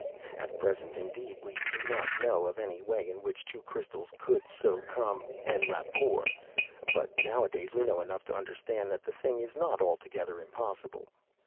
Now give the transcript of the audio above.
At present, indeed, we do not know of any way in which two crystals could so come en rapport, but nowadays we know enough to understand that the thing is not altogether impossible.